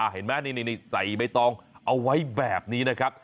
เห็นไหมนี่ใส่ใบตองเอาไว้แบบนี้นะครับ